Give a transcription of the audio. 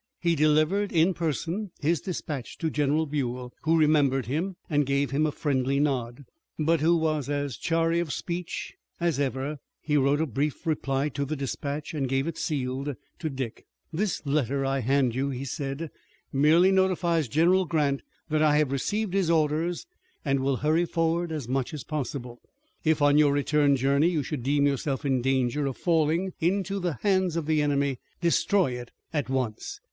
He delivered in person his dispatch to General Buell, who remembered him and gave him a friendly nod, but who was as chary of speech as ever. He wrote a brief reply to the dispatch and gave it sealed to Dick. "The letter I hand you," he said, "merely notifies General Grant that I have received his orders and will hurry forward as much as possible. If on your return journey you should deem yourself in danger of falling into the hands of the enemy destroy it at once."